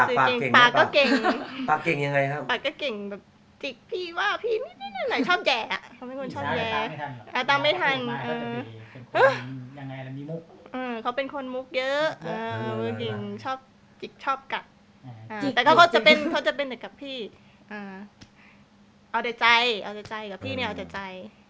ก็บางทีทวงมันเอา